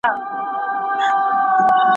ترې خوشاله هر غریب او هر نېستمن وو